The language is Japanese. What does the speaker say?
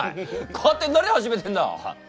勝手に何始めてんだ！